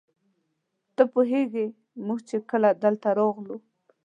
ته پوهېږې موږ چې کله دلته راغلو.